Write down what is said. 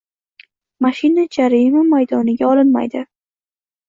Mashina jarima maydoniga olimnaydi.